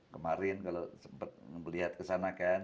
kemarin kalau sempat melihat kesana kan